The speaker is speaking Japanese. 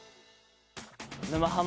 「沼ハマ」